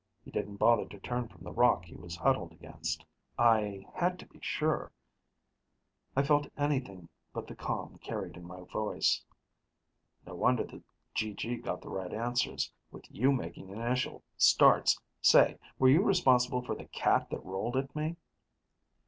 He didn't bother to turn from the rock he was huddled against. "I had to be sure." I felt anything but the calm carried in my voice. "No wonder the GG got the right answers, with you making initial starts. Say, were you responsible for the cat that rolled at me?"